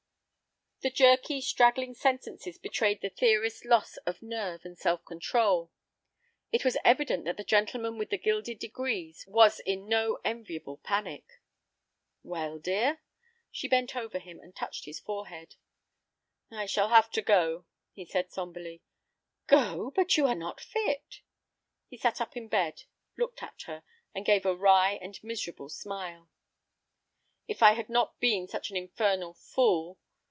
The jerky, straggling sentences betrayed the theorist's loss of nerve and self control. It was evident that the gentleman with the gilded degrees was in no enviable panic. "Well, dear?" She bent over him, and touched his forehead. "I shall have to go," he said, sombrely. "Go, but you are not fit!" He sat up in bed, looked at her, and gave a wry and miserable smile. "If I had not been such an infernal fool!